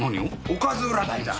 おかず占いだ。